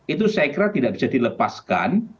itu saya kira tidak bisa dilepaskan